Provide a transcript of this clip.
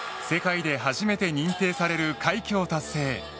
世界で初めて認定される快挙を達成。